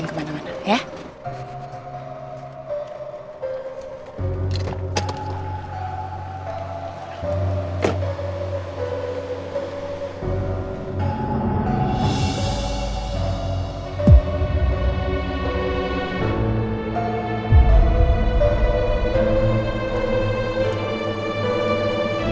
aku akan mencari cherry